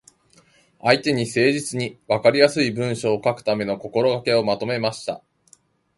相手に誠実に、わかりやすい文章を書くための心がけをまとめました。